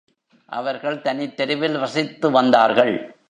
அவர்கள் தனித்தெருவில் வசித்து வந்தார்கள்.